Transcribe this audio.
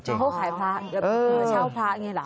เขาขายพระเดี๋ยวเช่าพระอย่างนี้หรือ